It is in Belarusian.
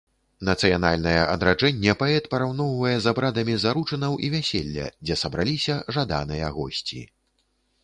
Нацыянальнае адраджэнне паэт параўноўвае з абрадамі заручынаў і вяселля, дзе сабраліся жаданыя госці.